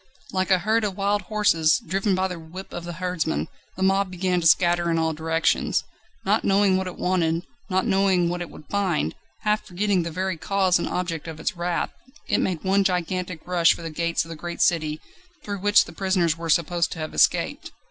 Like a herd of wild horses, driven by the whip of the herdsmen, the mob began to scatter in all directions. Not knowing what it wanted, not knowing what it would find, half forgetting the very cause and object of its wrath, it made one gigantic rush for the gates of the great city through which the prisoners were supposed to have escaped.